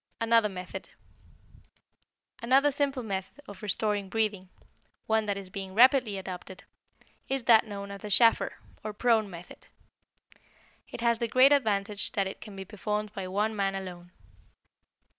Another Method Another simple method of restoring breathing, one that is being rapidly adopted, is that known as the Schafer, or prone, method. It has the great advantage that it can be performed by one man alone.